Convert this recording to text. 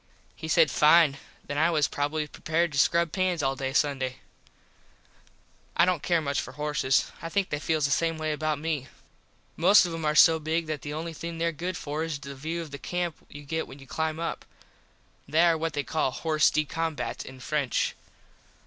He said, Fine, then I was probably prepared to scrub pans all day Sunday. I dont care much for horses. I think they feels the same way about me. Most of them are so big that the only thing there good for is the view of the camp you get when you climb up. They are what they call hors de combat in French.